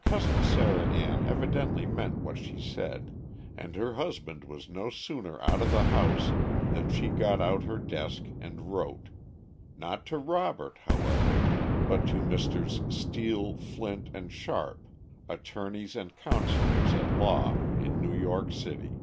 Cousin Sarah Ann evidently meant what she said, and her husband was no sooner out of the house than she got out her desk and wrote; not to Robert, however, but to Messrs. Steel, Flint & Sharp, attorneys and counselors at law, in New York city.